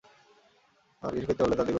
আর কিছু খেতে পারলে তা দেব?